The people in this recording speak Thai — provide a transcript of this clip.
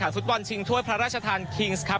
ฟุตบอลชิงถ้วยพระราชทานคิงส์ครับ